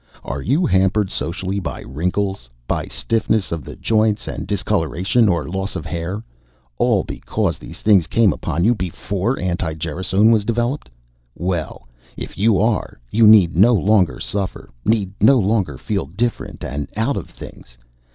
Are you hampered socially by wrinkles, by stiffness of joints and discoloration or loss of hair, all because these things came upon you before anti gerasone was developed? Well, if you are, you need no longer suffer, need no longer feel different and out of things.